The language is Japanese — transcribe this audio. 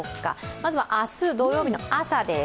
まずは明日土曜日の朝です。